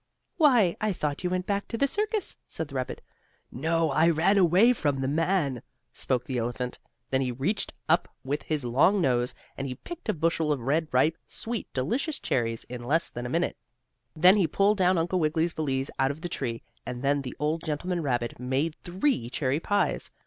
"Why, I thought you went back to the circus," said the rabbit. "No, I ran away from the man," spoke the elephant. Then he reached up with his long nose, and he picked a bushel of red, ripe, sweet delicious cherries in less than a minute. Then he pulled down Uncle Wiggily's valise out of the tree and then the old gentleman rabbit made three cherry pies.